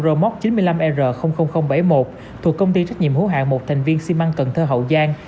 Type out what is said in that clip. robot chín mươi năm r bảy mươi một thuộc công ty trách nhiệm hữu hạng một thành viên xi măng cần thơ hậu giang